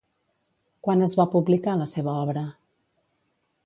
Quan es va publicar la seva obra?